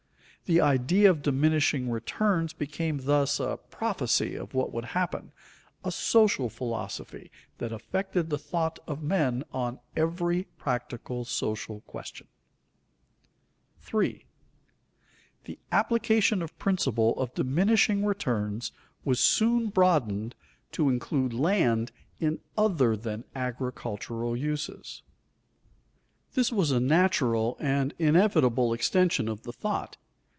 The idea of diminishing returns became thus a prophecy of what would happen, a social philosophy, that affected the thought of men on every practical social question. [Sidenote: The principle applies to land in all of its uses] 3. _The application of the principle of diminishing returns was soon broadened to include land in other than agricultural uses._ This was a natural and inevitable extension of the thought.